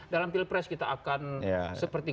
dalam pilpres kita akan seperti